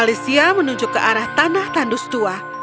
malaysia menuju ke arah tanah tandus tua